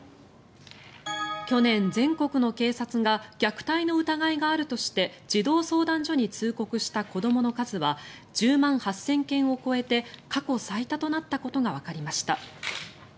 去年、全国の警察が虐待の疑いがあるとして児童相談所に通告した子どもの数は１０万８０００件を超えて過去最多となったことがわかりました。